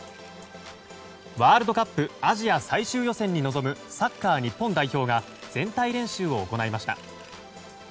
ワールドカップアジア最終予選に臨むサッカー日本代表が全体練習を行いました。